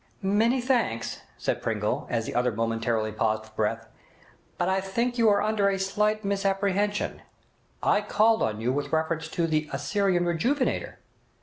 'Many thanks,' said Pringle, as the other momentarily paused for breath; 'but I think you are under a slight misapprehension. I called on you with reference to the "Assyrian Rejuvenator".